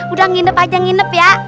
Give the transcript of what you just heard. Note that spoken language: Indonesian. udah nginep aja nginep ya